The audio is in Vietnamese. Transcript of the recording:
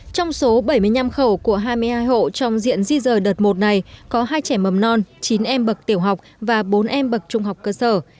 trong số bảy mươi năm khẩu của hai mươi hai hộ trong diện di rời đợt một này có hai trẻ mầm non chín em bậc tiểu học và bốn em bậc trung học cơ sở